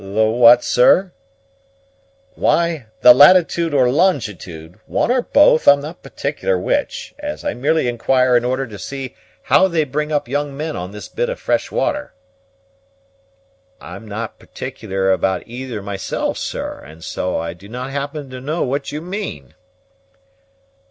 "The what, sir?" "Why, the latitude or longitude one or both; I'm not particular which, as I merely inquire in order to see how they bring up young men on this bit of fresh water." "I'm not particular about either myself, sir, and so I do not happen to know what you mean."